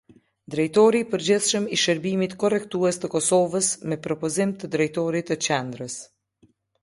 Drejtori i Përgjithshëm i Shërbimit Korrektues të Kosovës, me propozim të drejtorit të qendrës.